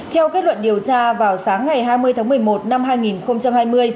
theo kết luận điều tra vào sáng ngày hai mươi tháng một mươi một năm hai nghìn hai mươi